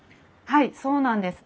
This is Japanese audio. はいそうなんです。